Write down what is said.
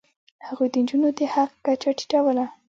هغوی د نجونو د حق کچه ټیټوله.